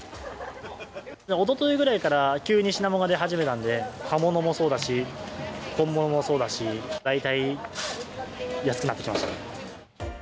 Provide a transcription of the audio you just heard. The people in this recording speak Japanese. おとといぐらいから、急に品物が出始めたんで、葉ものもそうだし、根ものもそうだし、大体安くなってきましたね。